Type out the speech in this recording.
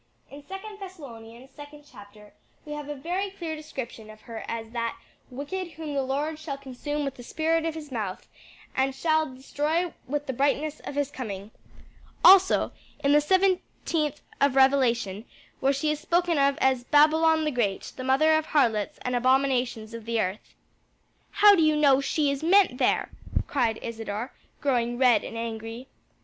In second Thessalonians, second chapter, we have a very clear description of her as that 'Wicked whom the Lord shall consume with the spirit of his mouth, and shall destroy with the brightness of his coming.' Also, in the seventeenth of Revelation, where she is spoken of as 'Babylon the great, the mother of harlots and abominations of the earth.'" "How do you know she is meant there?" asked Isadore, growing red and angry.